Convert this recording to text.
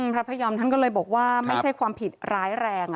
พระพยอมท่านก็เลยบอกว่าไม่ใช่ความผิดร้ายแรง